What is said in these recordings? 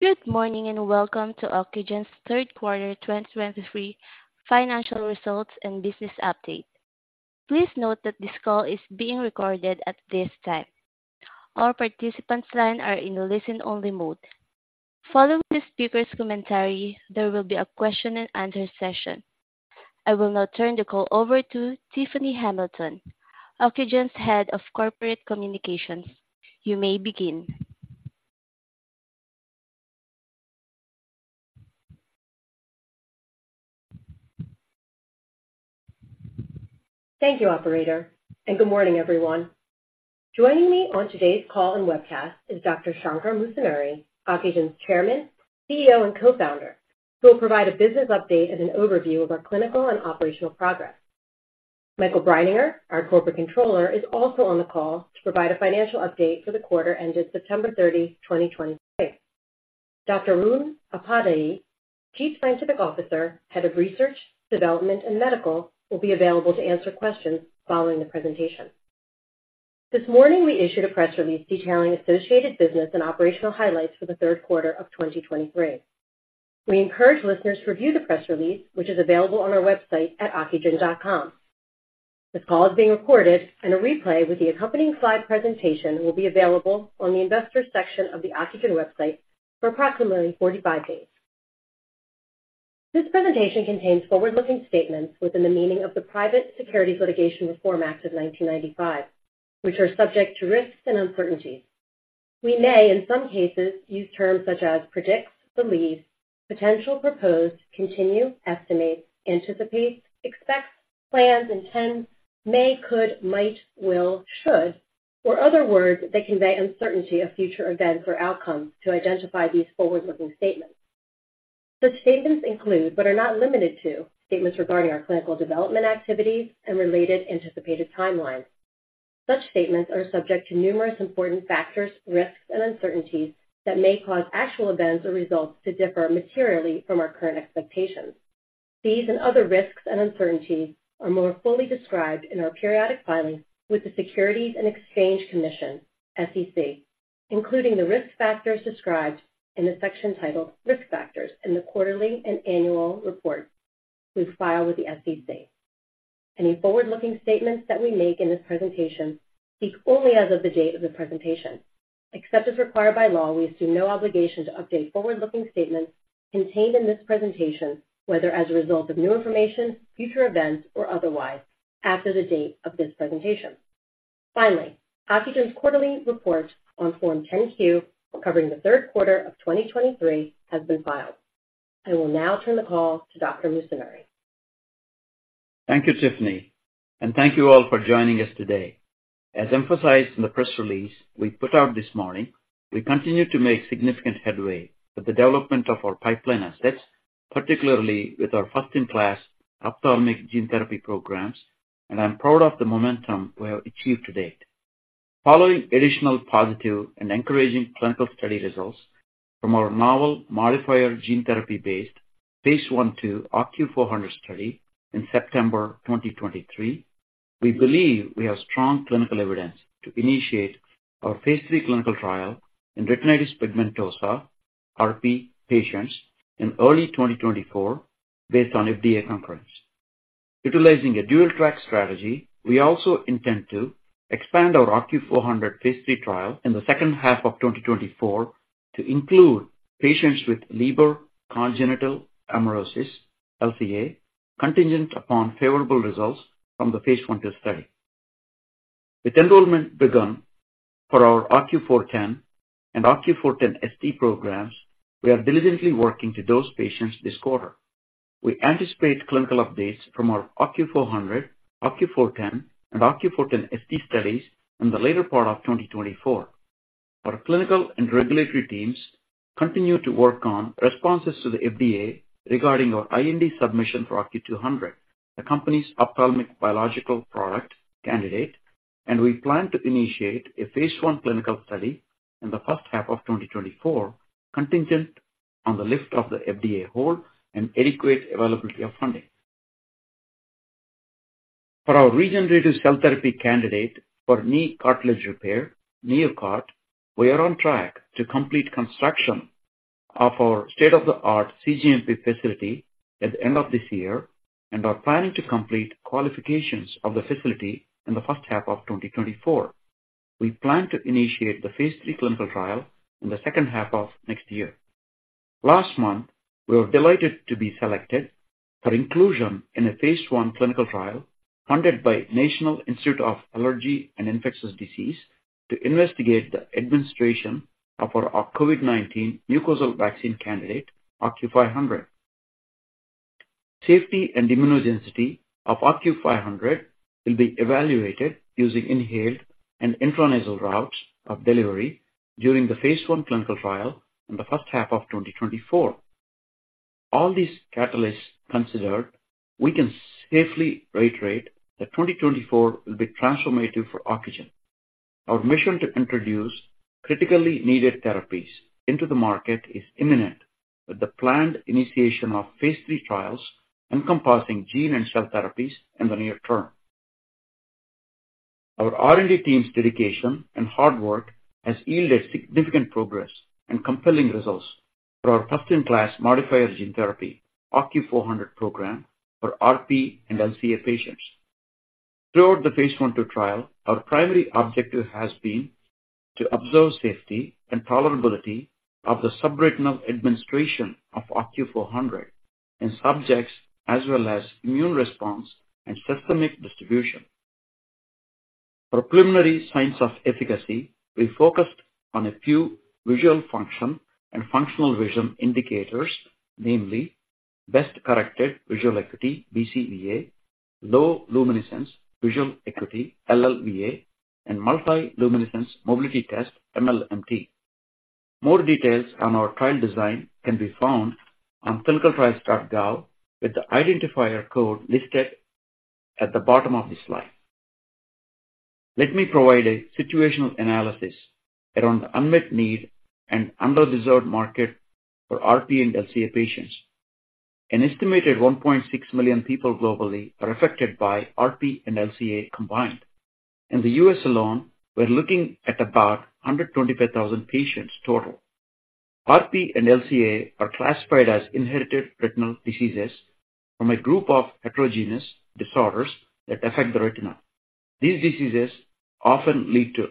Good morning, and welcome to Ocugen's third quarter 2023 financial results and business update. Please note that this call is being recorded at this time. All participants' lines are in a listen-only mode. Following the speaker's commentary, there will be a question and answer session. I will now turn the call over to Tiffany Hamilton, Ocugen's Head of Corporate Communications. You may begin. Thank you, operator, and good morning, everyone. Joining me on today's call and webcast is Dr. Shankar Musunuri, Ocugen's Chairman, CEO, and Co-founder, who will provide a business update and an overview of our clinical and operational progress. Michael Breininger, our Corporate Controller, is also on the call to provide a financial update for the quarter ended September 30, 2023. Dr. Arun Upadhyay, Chief Scientific Officer, Head of Research, Development, and Medical, will be available to answer questions following the presentation. This morning, we issued a press release detailing associated business and operational highlights for the third quarter of 2023. We encourage listeners to review the press release, which is available on our website at ocugen.com. This call is being recorded, and a replay with the accompanying slide presentation will be available on the investors section of the Ocugen website for approximately 45 days. This presentation contains forward-looking statements within the meaning of the Private Securities Litigation Reform Act of 1995, which are subject to risks and uncertainties. We may, in some cases, use terms such as predicts, believes, potential, proposed, continue, estimates, anticipates, expects, plans, intends, may, could, might, will, should, or other words that convey uncertainty of future events or outcomes to identify these forward-looking statements. Such statements include, but are not limited to, statements regarding our clinical development activities and related anticipated timelines. Such statements are subject to numerous important factors, risks, and uncertainties that may cause actual events or results to differ materially from our current expectations. These and other risks and uncertainties are more fully described in our periodic filings with the Securities and Exchange Commission, SEC, including the risk factors described in the section titled "Risk Factors" in the quarterly and annual reports we've filed with the SEC. Any forward-looking statements that we make in this presentation speak only as of the date of the presentation. Except as required by law, we assume no obligation to update forward-looking statements contained in this presentation, whether as a result of new information, future events, or otherwise, after the date of this presentation. Finally, Ocugen's quarterly report on Form 10-Q, covering the third quarter of 2023, has been filed. I will now turn the call to Dr. Musunuri. Thank you, Tiffany, and thank you all for joining us today. As emphasized in the press release we put out this morning, we continue to make significant headway with the development of our pipeline assets, particularly with our first-in-class ophthalmic gene therapy programs, and I'm proud of the momentum we have achieved to date. Following additional positive and encouraging clinical study results from our novel modifier gene therapy-based phase I/II OCU400 study in September 2023, we believe we have strong clinical evidence to initiate our phase III clinical trial in retinitis pigmentosa, RP, patients in early 2024, based on FDA concurrence. Utilizing a dual-track strategy, we also intend to expand our OCU400 phase III trial in the second half of 2024 to include patients with Leber congenital amaurosis, LCA, contingent upon favorable results from the phase I/II study. With enrollment begun for our OCU410 and OCU410ST programs, we are diligently working to those patients this quarter. We anticipate clinical updates from our OCU400, OCU410, and OCU410ST studies in the later part of 2024. Our clinical and regulatory teams continue to work on responses to the FDA regarding our IND submission for OCU200, the company's ophthalmic biological product candidate, and we plan to initiate a phase I clinical study in the first half of 2024, contingent on the lift of the FDA hold and adequate availability of funding. For our regenerative cell therapy candidate for knee cartilage repair, NeoCart, we are on track to complete construction of our state-of-the-art cGMP facility at the end of this year and are planning to complete qualifications of the facility in the first half of 2024. We plan to initiate the phase III clinical trial in the second half of next year. Last month, we were delighted to be selected for inclusion in a phase I clinical trial funded by National Institute of Allergy and Infectious Diseases to investigate the administration of our COVID-19 mucosal vaccine candidate, OCU500. Safety and immunogenicity of OCU500 will be evaluated using inhaled and intranasal routes of delivery during the phase I clinical trial in the first half of 2024. All these catalysts considered, we can safely reiterate that 2024 will be transformative for Ocugen. Our mission to introduce critically needed therapies into the market is imminent, with the planned initiation of phase III trials encompassing gene and cell therapies in the near term.... Our R&D team's dedication and hard work has yielded significant progress and compelling results for our first-in-class modifier gene therapy, OCU400 program, for RP and LCA patients. Throughout the phase I/II trial, our primary objective has been to observe safety and tolerability of the subretinal administration of OCU400 in subjects, as well as immune response and systemic distribution. For preliminary signs of efficacy, we focused on a few visual function and functional vision indicators, namely Best Corrected Visual Acuity, BCVA, Low Luminance Visual Acuity, LLVA, and Multi-Luminance Mobility Test, MLMT. More details on our trial design can be found on clinicaltrials.gov, with the identifier code listed at the bottom of this slide. Let me provide a situational analysis around the unmet need and underserved market for RP and LCA patients. An estimated 1.6 million people globally are affected by RP and LCA combined. In the U.S. alone, we're looking at about 125,000 patients total. RP and LCA are classified as inherited retinal diseases from a group of heterogeneous disorders that affect the retina. These diseases often lead to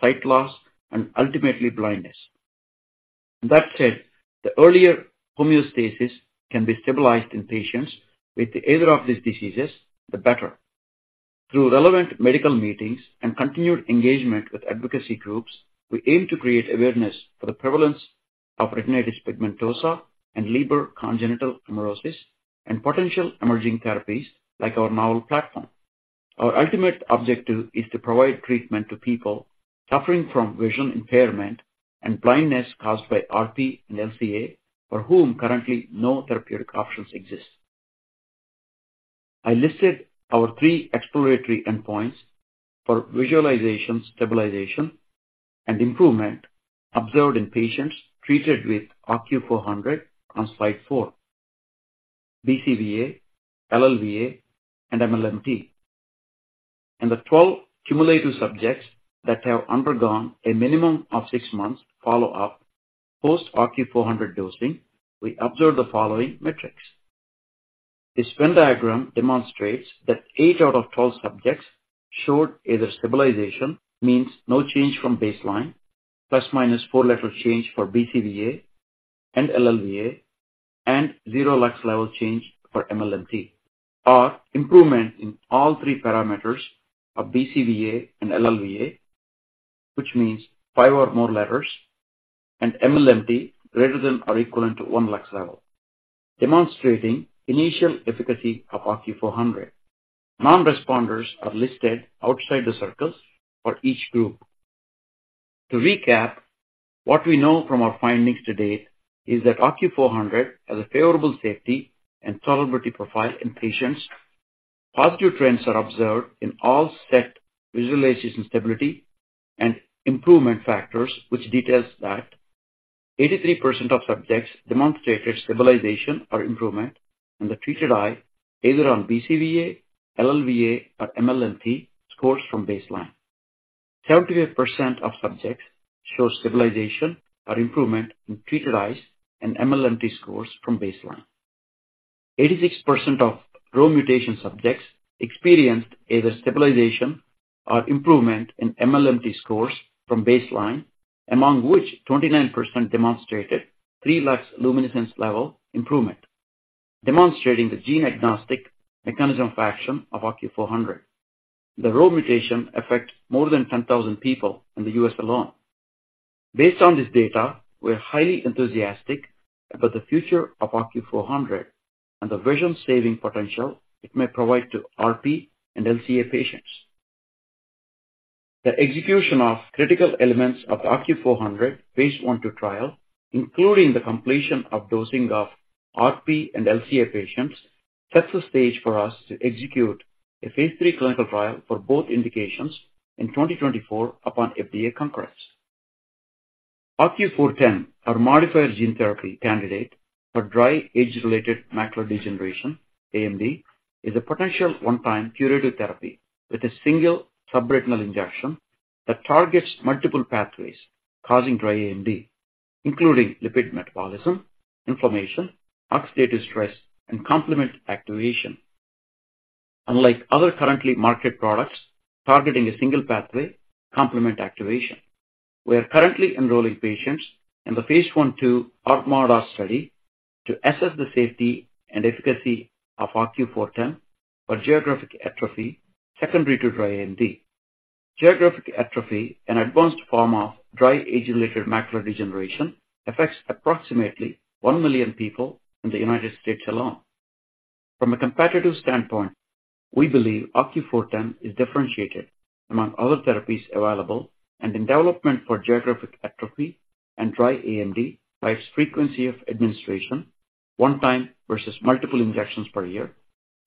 sight loss and ultimately blindness. That said, the earlier homeostasis can be stabilized in patients with either of these diseases, the better. Through relevant medical meetings and continued engagement with advocacy groups, we aim to create awareness for the prevalence of retinitis pigmentosa and Leber congenital amaurosis, and potential emerging therapies like our novel platform. Our ultimate objective is to provide treatment to people suffering from vision impairment and blindness caused by RP and LCA, for whom currently no therapeutic options exist. I listed our three exploratory endpoints for visualization, stabilization, and improvement observed in patients treated with OCU400 on slide four: BCVA, LLVA, and MLMT. In the 12 cumulative subjects that have undergone a minimum of six months follow-up post-OCU400 dosing, we observed the following metrics. This Venn diagram demonstrates that eight out of 12 subjects showed either stabilization, means no change from baseline, ±4-letter change for BCVA and LLVA, and zero Lux level change for MLMT, or improvement in all three parameters of BCVA and LLVA, which means five or more letters, and MLMT greater than or equivalent to one lux level, demonstrating initial efficacy of OCU400. Non-responders are listed outside the circles for each group. To recap, what we know from our findings to date is that OCU400 has a favorable safety and tolerability profile in patients. Positive trends are observed in all set visual stability and improvement factors, which details that 83% of subjects demonstrated stabilization or improvement in the treated eye, either on BCVA, LLVA, or MLMT scores from baseline. 78% of subjects show stabilization or improvement in treated eyes and MLMT scores from baseline. 86% of RHO mutation subjects experienced either stabilization or improvement in MLMT scores from baseline, among which 29% demonstrated three lux luminance level improvement, demonstrating the gene-agnostic mechanism of action of OCU400. The RHO mutation affect more than 10,000 people in the U.S. alone. Based on this data, we are highly enthusiastic about the future of OCU400 and the vision-saving potential it may provide to RP and LCA patients. The execution of critical elements of the OCU400 phase I/II trial, including the completion of dosing of RP and LCA patients, sets the stage for us to execute a phase III clinical trial for both indications in 2024 upon FDA concurrence. OCU410, our modified gene therapy candidate for dry age-related macular degeneration, AMD, is a potential one-time curative therapy with a single subretinal injection that targets multiple pathways causing dry AMD, including lipid metabolism, inflammation, oxidative stress, and complement activation. Unlike other currently marketed products, targeting a single pathway, complement activation, we are currently enrolling patients in the phase I/II ArMaDa study to assess the safety and efficacy of OCU410 for geographic atrophy, secondary to dry AMD. Geographic atrophy, an advanced form of dry age-related macular degeneration, affects approximately 1 million people in the United States alone. From a competitive standpoint, we believe OCU410 is differentiated among other therapies available and in development for geographic atrophy and dry AMD by its frequency of administration, one time versus multiple injections per year,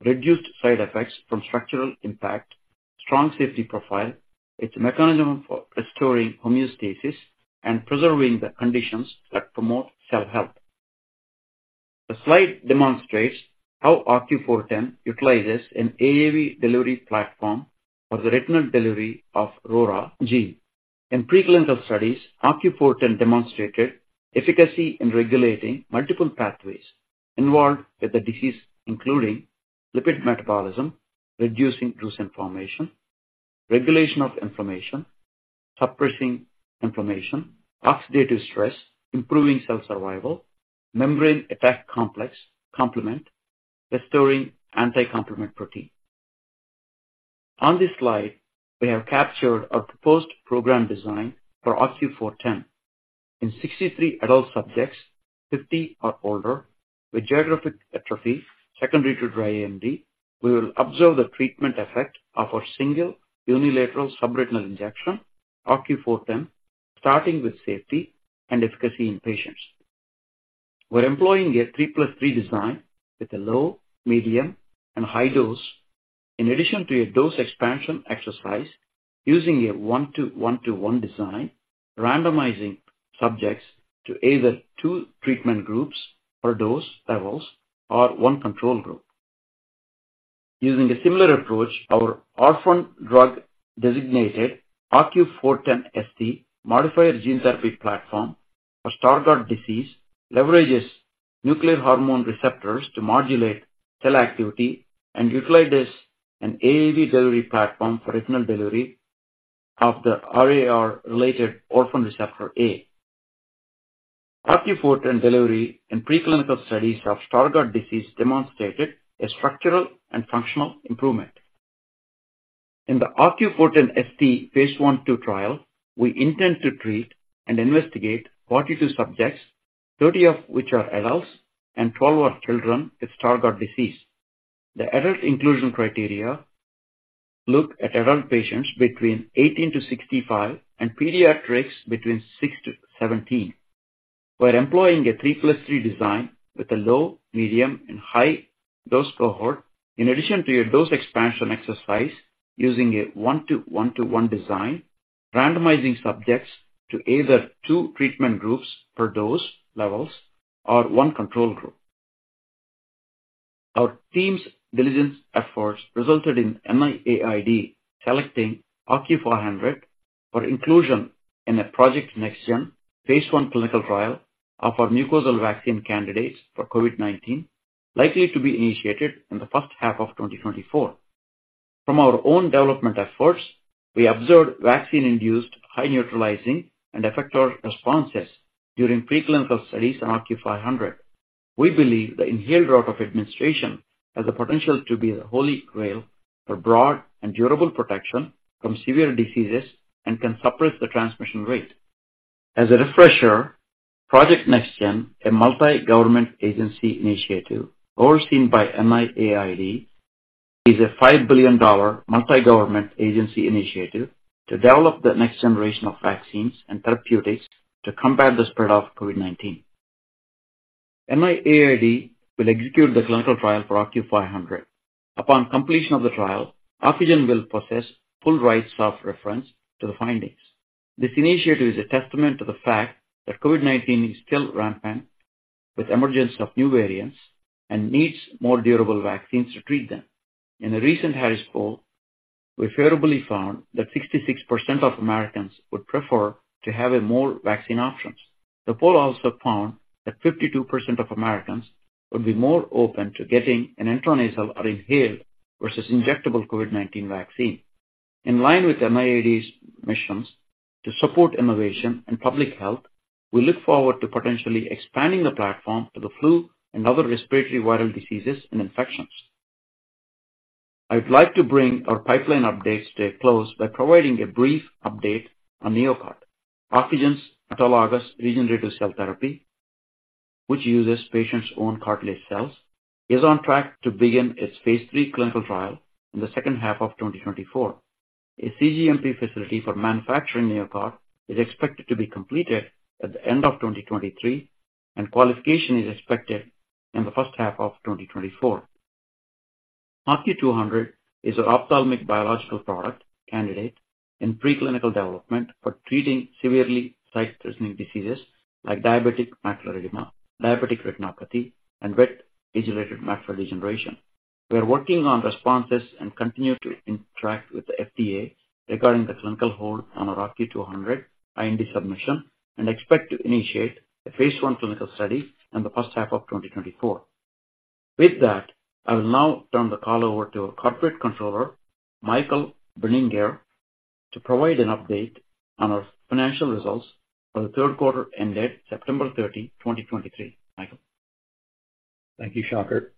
reduced side effects from structural impact, strong safety profile, its mechanism for restoring homeostasis, and preserving the conditions that promote cell health. The slide demonstrates how OCU410 utilizes an AAV delivery platform for the retinal delivery of RORA gene. In preclinical studies, OCU410 demonstrated efficacy in regulating multiple pathways involved with the disease, including lipid metabolism, reducing drusen formation, regulation of inflammation, suppressing inflammation, oxidative stress, improving cell survival, membrane attack complex complement, restoring anti-complement protein. On this slide, we have captured our proposed program design for OCU410. In 63 adult subjects, 50 or older, with geographic atrophy secondary to dry AMD, we will observe the treatment effect of our single unilateral subretinal injection, OCU410, starting with safety and efficacy in patients. We're employing a 3+3 design with a low, medium, and high dose. In addition to a dose expansion exercise, using a one-to-one-to-one design, randomizing subjects to either two treatment groups or dose levels or one control group. Using a similar approach, our orphan drug-designated OCU410ST modified gene therapy platform for Stargardt disease leverages nuclear hormone receptors to modulate cell activity and utilizes an AAV delivery platform for retinal delivery of the RAR-related orphan receptor A. OCU410 delivery in preclinical studies of Stargardt disease demonstrated a structural and functional improvement. In the OCU410ST phase I/II trial, we intend to treat and investigate 42 subjects, 30 of which are adults and 12 are children, with Stargardt disease. The adult inclusion criteria look at adult patients between 18-65 and pediatrics between six to 17. We're employing a 3+3 design with a low, medium, and high dose cohort, in addition to a dose expansion exercise using a one-to-one design, randomizing subjects to either two treatment groups per dose levels or one control group. Our team's diligence efforts resulted in NIAID selecting OCU400 for inclusion in a Project NextGen, phase I clinical trial of our mucosal vaccine candidates for COVID-19, likely to be initiated in the first half of 2024. From our own development efforts, we observed vaccine-induced high neutralizing and effector responses during preclinical studies in OCU400. We believe the inhaled route of administration has the potential to be the holy grail for broad and durable protection from severe diseases and can suppress the transmission rate. As a refresher, Project NextGen, a multi-government agency initiative overseen by NIAID, is a $5 billion multi-government agency initiative to develop the next generation of vaccines and therapeutics to combat the spread of COVID-19. NIAID will execute the clinical trial for OCU400. Upon completion of the trial, Ocugen will possess full rights of reference to the findings. This initiative is a testament to the fact that COVID-19 is still rampant, with emergence of new variants, and needs more durable vaccines to treat them. In a recent Harris poll, we favorably found that 66% of Americans would prefer to have a more vaccine options. The poll also found that 52% of Americans would be more open to getting an intranasal or inhaled versus injectable COVID-19 vaccine. In line with NIAID's missions to support innovation and public health, we look forward to potentially expanding the platform to the flu and other respiratory viral diseases and infections. I'd like to bring our pipeline update to a close by providing a brief update on NeoCart. Ocugen's autologous regenerative cell therapy, which uses patients' own cartilage cells, is on track to begin its phase III clinical trial in the second half of 2024. A cGMP facility for manufacturing NeoCart is expected to be completed at the end of 2023, and qualification is expected in the first half of 2024. OCU200 is an ophthalmic biological product candidate in preclinical development for treating severely sight-threatening diseases like diabetic macular edema, diabetic retinopathy, and wet age-related macular degeneration. We are working on responses and continue to interact with the FDA regarding the clinical hold on our OCU200 IND submission and expect to initiate a phase I clinical study in the first half of 2024. With that, I will now turn the call over to our corporate controller, Michael Breininger, to provide an update on our financial results for the third quarter ended September 30, 2023. Michael? Thank you, Shankar.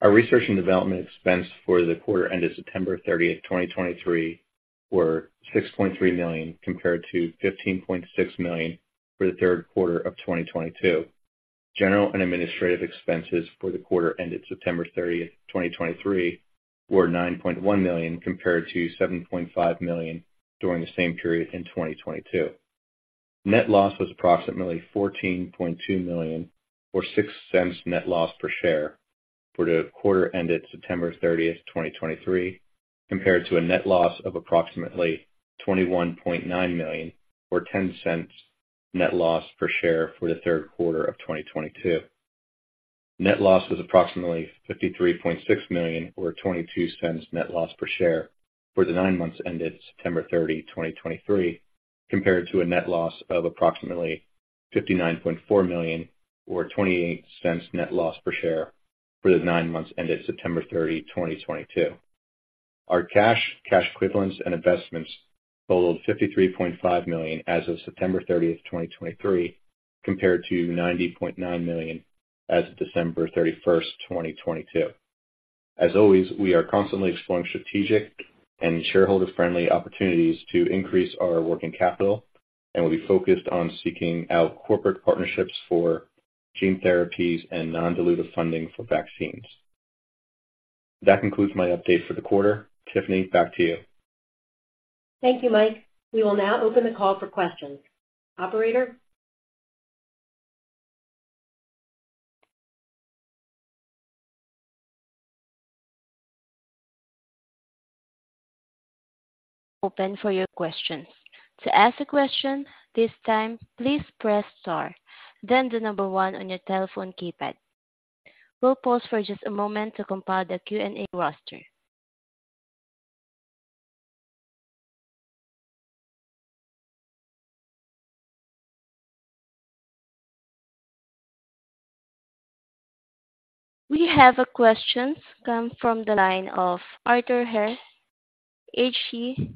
Our research and development expense for the quarter ended September thirtieth, 2023, were $6.3 million, compared to $15.6 million for the third quarter of 2022. General and administrative expenses for the quarter ended September thirtieth, 2023, were $9.1 million, compared to $7.5 million during the same period in 2022. Net loss was approximately $14.2 million, or $0.06 net loss per share... for the quarter ended September thirtieth, 2023, compared to a net loss of approximately $21.9 million or $0.10 net loss per share for the third quarter of 2022. Net loss was approximately $53.6 million, or $0.22 net loss per share for the nine months ended September 30, 2023, compared to a net loss of approximately $59.4 million or $0.28 net loss per share for the nine months ended September 30, 2022. Our cash, cash equivalents and investments totaled $53.5 million as of September 30, 2023, compared to $90.9 million as of December 31st, 2022. As always, we are constantly exploring strategic and shareholder-friendly opportunities to increase our working capital, and we'll be focused on seeking out corporate partnerships for gene therapies and non-dilutive funding for vaccines. That concludes my update for the quarter. Tiffany, back to you. Thank you, Mike. We will now open the call for questions. Operator? Open for your questions. To ask a question, this time, please press star, then one on your telephone keypad. We'll pause for just a moment to compile the Q&A roster. We have a question come from the line of Arthur He, H.C.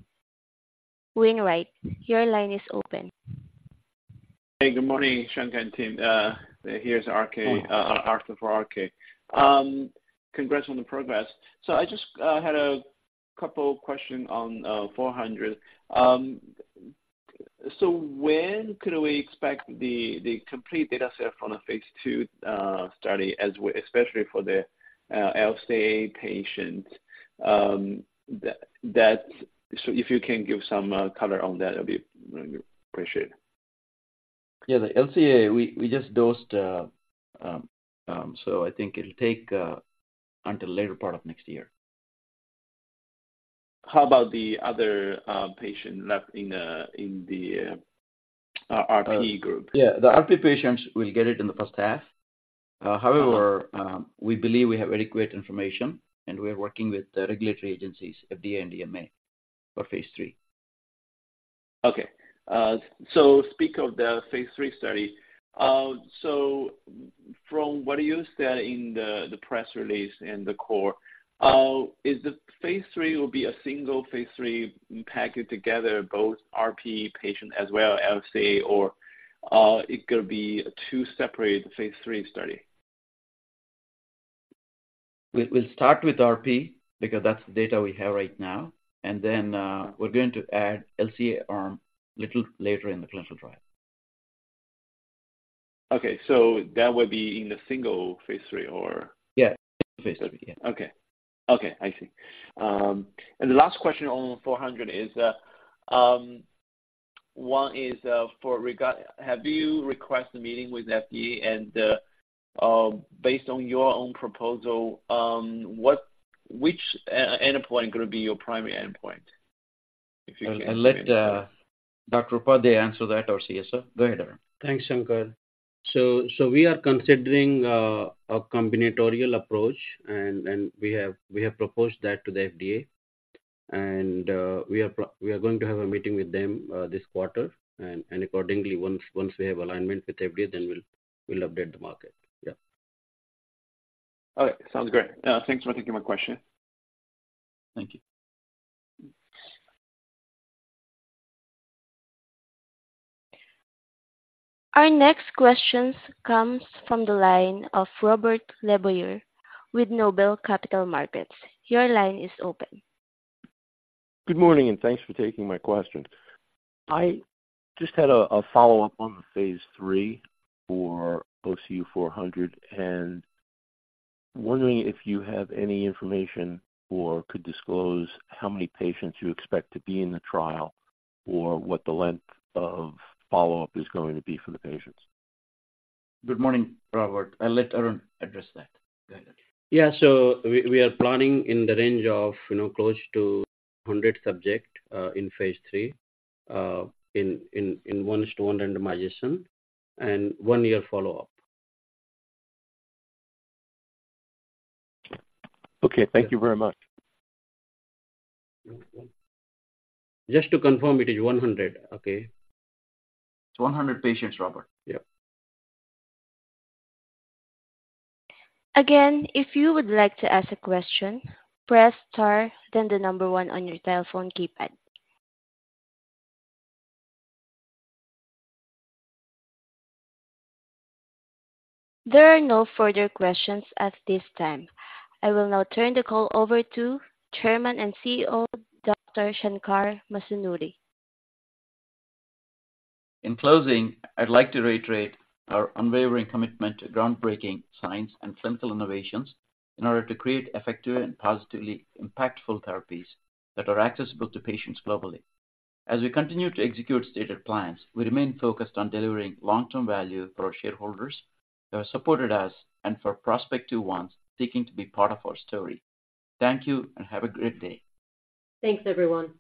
Wainwright. Your line is open. Hey, good morning, Shankar and team. This is Arthur He for H.C. Wainwright. Congrats on the progress. So I just had a couple questions on OCU400. So when could we expect the complete data set from the phase II study as well, especially for the LCA patient? So if you can give some color on that, it'll be really appreciated. Yeah, the LCA, we just dosed, so I think it'll take until later part of next year. How about the other patient left in the RP group? Yeah, the RP patients will get it in the first half. However, we believe we have adequate information, and we are working with the regulatory agencies, FDA and EMA, for phase III. Okay. So speak of the phase III study. So from what you said in the press release and the 10-Q, is the phase III a single phase III packaged together, both RP patient as well as LCA, or it could be two separate phase III study? We'll start with RP, because that's the data we have right now, and then, we're going to add LCA arm little later in the clinical trial. Okay. So that would be in the single phase III, or? Yeah, single phase III. Okay. Okay, I see. And the last question on four hundred is, have you requested a meeting with FDA and, based on your own proposal, which endpoint is going to be your primary endpoint? If you can- I'll let Dr. Upadhyay, our CSO, answer that. Go ahead, Arun. Thanks, Shankar. So we are considering a combinatorial approach, and we have proposed that to the FDA. And we are going to have a meeting with them this quarter. And accordingly, once we have alignment with FDA, then we'll update the market. Yeah. Okay. Sounds great. Thanks for taking my question. Thank you. Our next question comes from the line of Robert LeBoyer with Noble Capital Markets. Your line is open. Good morning, and thanks for taking my question. I just had a follow-up on the phase III for OCU400, and wondering if you have any information or could disclose how many patients you expect to be in the trial or what the length of follow-up is going to be for the patients? Good morning, Robert. I'll let Arun address that. Go ahead, Arun. Yeah, so we are planning in the range of, you know, close to 100 subjects in phase III in one-to-one randomization and one-year follow-up. Okay. Thank you very much. Just to confirm, it is 100, okay? It's 100 patients, Robert. Yep. Again, if you would like to ask a question, press star, then the number one on your telephone keypad. There are no further questions at this time. I will now turn the call over to Chairman and CEO, Dr. Shankar Musunuri. In closing, I'd like to reiterate our unwavering commitment to groundbreaking science and clinical innovations in order to create effective and positively impactful therapies that are accessible to patients globally. As we continue to execute stated plans, we remain focused on delivering long-term value for our shareholders that supported us and for prospective ones seeking to be part of our story. Thank you and have a great day. Thanks, everyone.